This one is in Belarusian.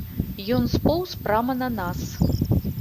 Ён споўз прама на нас.